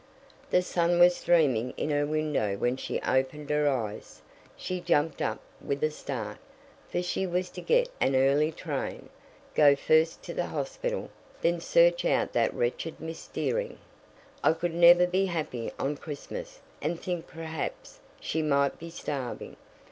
The sun was streaming in her window when she opened her eyes. She jumped up with a start, for she was to get an early train, go first to the hospital, then search out the wretched Miss Dearing. "I could never be happy on Christmas, and think perhaps she might be starving.